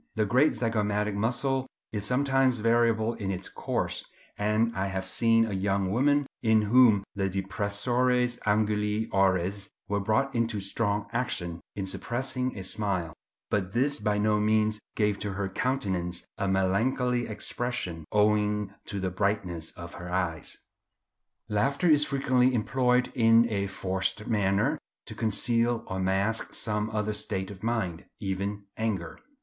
The great zygomatic muscle is sometimes variable in its course, and I have seen a young woman in whom the depressores anguli oris were brought into strong action in suppressing a smile; but this by no means gave to her countenance a melancholy expression, owing to the brightness of her eyes. Laughter is frequently employed in a forced manner to conceal or mask some other state of mind, even anger.